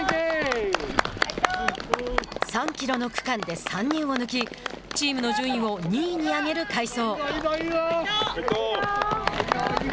３キロの区間で３人を抜きチームの順位を２位に上げる快走。